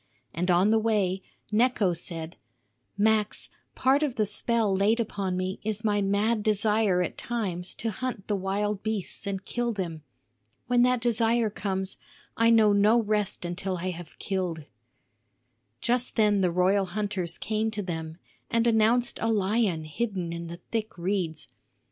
And on the way Necho said: "Max, part of the spell laid upon me is my mad desire at times to hunt the wild beasts and kill them. When that desire comes, I know no rest until I have killed." Just then the royal hunters came to them and announced a lion hidden in the thick reeds.